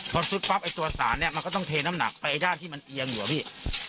พอซุดปั๊บตัวสารเนี่ยมันก็ต้องเทน้ำหนักไปที่มันเอียงดีกว่าพี่